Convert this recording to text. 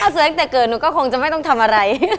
สวยตั้งแต่เกิดหนูก็คงจะไม่ต้องทำอะไร